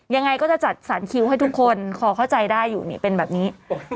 ยังไงก็จะจัดสรรคิวให้ทุกคนคอเข้าใจได้อยู่นี่เป็นแบบนี้